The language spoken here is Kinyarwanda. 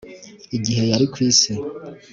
Igihe yari ku isi